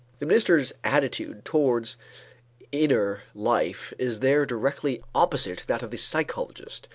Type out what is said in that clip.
The minister's attitude towards inner life is there directly opposite to that of the psychologist.